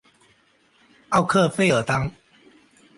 奥克弗尔当。